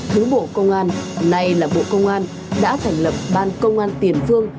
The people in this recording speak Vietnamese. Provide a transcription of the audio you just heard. thứ bộ công an nay là bộ công an đã thành lập ban công an tiền phương